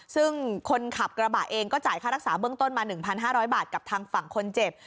ซึ่งคนขับกระบะเองก็จ่ายค่ารักษาเบื้องต้นมา๑๕๐๐บาทกับทางฝั่งคนเจ็บ